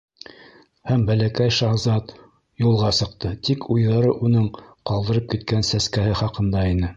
Һәм Бәләкәй шаһзат юлға сыҡты, тик уйҙары уның ҡалдырып киткән сәскәһе хаҡында ине.